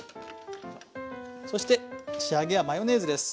そして仕上げはマヨネーズです。